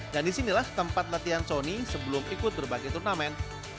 dan disinilah tempat latihan sony sebelum ikut berbagai turnamen